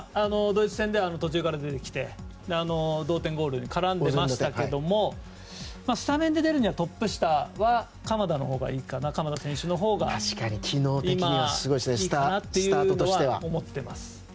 ドイツ戦では途中から出てきて同点ゴールに絡んでいましたけどスタメンで出るには、トップ下は鎌田選手のほうがいいかなとは思っています。